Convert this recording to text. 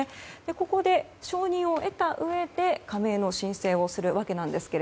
ここで承認を得たうえで加盟の申請をするわけですが